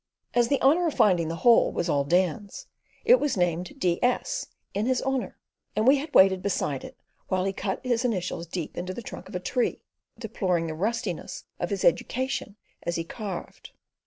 As the honour of finding the hole was all Dan's, it was named DS. in his honour, and we had waited beside it while he cut his initials deep into the trunk of a tree, deploring the rustiness of his education as he carved.